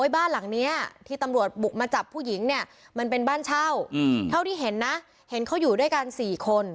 บ้านหลังนี้ที่ตำรวจบุกมาจับผู้หญิงเนี่ยมันเป็นบ้านเช่าเท่าที่เห็นนะเห็นเขาอยู่ด้วยกัน๔คน